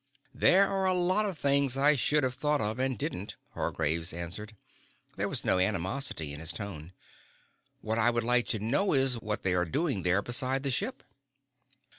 "There are a lot of things I should have thought of and didn't," Hargraves answered. There was no animosity in his tone. "What I would like to know is what they are doing there beside the ship?"